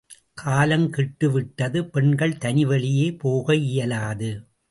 காலம்கெட்டு விட்டது, பெண்கள் தனிவழியே போக இயலாது.